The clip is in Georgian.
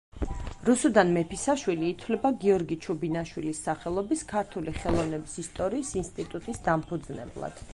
რუსუდან მეფისაშვილი ითვლება გიორგი ჩუბინაშვილის სახელობის ქართული ხელოვნების ისტორიის ინსტიტუტის დამფუძნებლად.